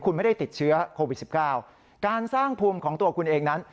และสร้างภูมิของตัวคุณเองนั้น